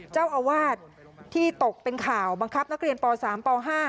เจ้าอาวาสที่ตกเป็นข่าวบังคับนักเรียนป๓ป๕